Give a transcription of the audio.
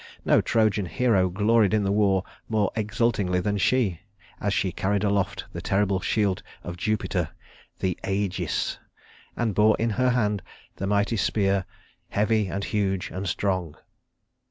No Trojan hero gloried in the war more exultingly than she, as she carried aloft the terrible shield of Jupiter "the Ægis" and bore in her hand the mighty spear, "heavy and huge and strong."